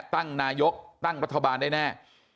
ตั้งนายกตั้งรัฐบาลได้แน่